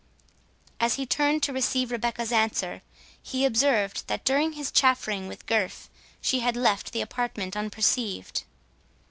As he turned to receive Rebecca's answer, he observed, that during his chattering with Gurth, she had left the apartment unperceived.